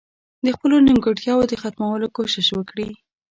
د خپلو نيمګړتياوو د ختمولو کوشش وکړي.